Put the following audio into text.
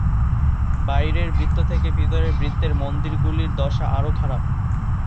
বাইরের বৃত্ত থেকে ভিতরের বৃত্তের মন্দিরগুলির দশা আরও খারাপ।